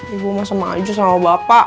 ibu masih maju sama bapak